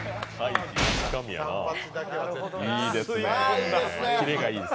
いいですね。